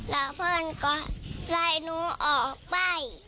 ลาเพลิงก็จะลงออกไป